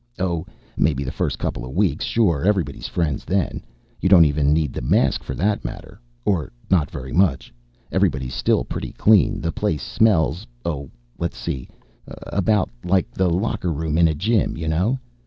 Oh, maybe the first couple of weeks, sure everybody's friends then. You don't even need the mask, for that matter. Or not very much. Everybody's still pretty clean. The place smells oh, let's see about like the locker room in a gym. You know?